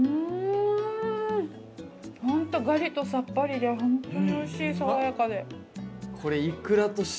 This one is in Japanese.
ガリとさっぱりで本当においしい爽やかで。